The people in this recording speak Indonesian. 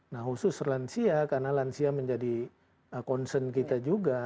nah khusus lansia karena lansia menjadi concern kita juga